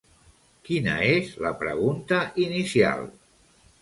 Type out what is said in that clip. Quina és la pregunta inicial?